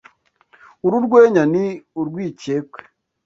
Uru rwenya ni urwikekwe.